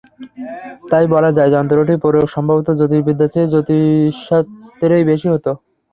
তাই বলা যায়, যন্ত্রটির প্রয়োগ সম্ভবত জ্যোতির্বিদ্যার চেয়ে জ্যোতিষশাস্ত্রেই বেশি হতো।